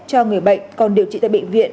cho người bệnh còn điều trị tại bệnh viện